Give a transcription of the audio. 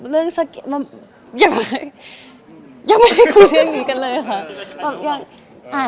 เรื่องสักอย่างยังไม่ได้คุยเรื่องนี้กันเลยค่ะ